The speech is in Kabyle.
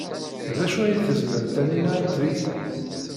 D acu ay tezmer Taninna ad teg?